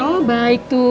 oh baik tuh